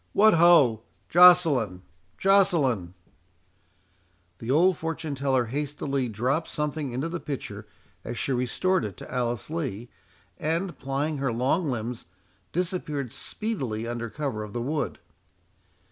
—What, ho!—Joceline—Joceline!" The old fortune teller hastily dropped something into the pitcher as she restored it to Alice Lee, and, plying her long limbs, disappeared speedily under cover of the wood.